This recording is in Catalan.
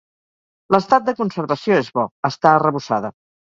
L'estat de conservació és bo, està arrebossada.